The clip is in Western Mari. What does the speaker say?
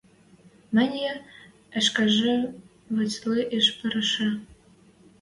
Мӹньӹ ӹшкежӹ, вӹцлӹ иш пырышы